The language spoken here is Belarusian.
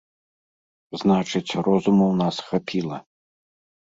Значыць, розуму ў нас хапіла.